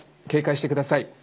警戒してください。